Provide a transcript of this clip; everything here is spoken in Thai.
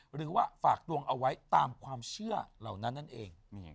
หรือว่าฝากดวงเอาไว้ตามความเชื่อเหล่านั้นนั่นเอง